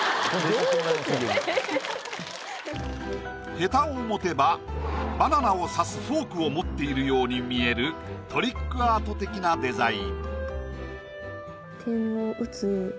ヘタを持てばバナナを刺すフォークを持っているように見えるトリックアート的なデザイン。